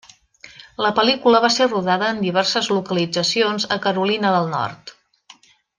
La pel·lícula va ser rodada en diverses localitzacions a Carolina del Nord.